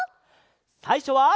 さいしょは。